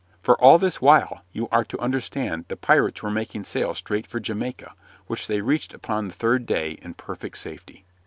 For all this while, you are to understand, the pirates were making sail straight for Jamaica, which they reached upon the third day in perfect safety.